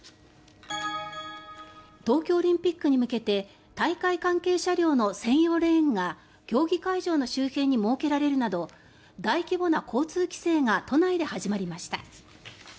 東京オリンピックに向けて大会関係車両の専用レーンが競技会場の周辺に設けられるなど大規模な交通規制が都内で始まりました。